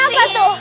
iya apa tuh